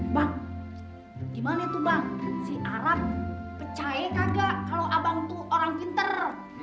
bang gimana tuh bang si arab percaya kalau abang tuh orang pinter